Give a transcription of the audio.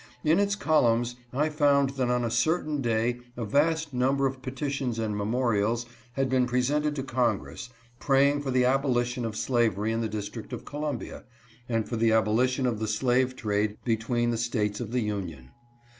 In its columns I found that on a certain day a vast number of petitions and memorials had been presented to Congress, praying for the abolition of slavery in the District of Columbia, and for the abolition of the slave trade between the States of the Union.